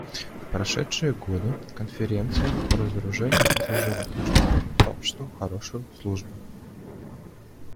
В прошедшие годы Конференция по разоружению сослужила международному сообществу хорошую службу.